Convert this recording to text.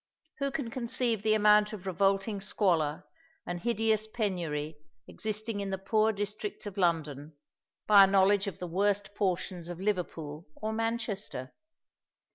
Who can conceive the amount of revolting squalor and hideous penury existing in the poor districts of London, by a knowledge of the worst portions of Liverpool or Manchester?